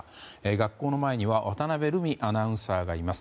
学校の前には渡辺瑠海アナウンサーがいます。